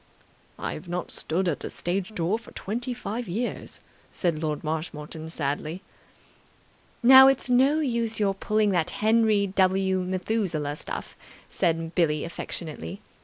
"I have not stood at the stage door for twenty five years," said Lord Marshmoreton sadly. "Now, it's no use your pulling that Henry W. Methuselah stuff," said Billie affectionately.